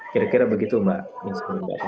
kira kira begitu mbak